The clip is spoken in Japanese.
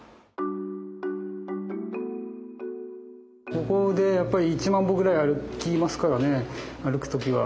ここで１万歩ぐらい歩きますからね歩く時は。